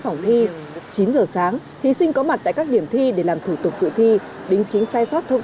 phòng thi chín giờ sáng thí sinh có mặt tại các điểm thi để làm thủ tục dự thi đính chính sai sót thông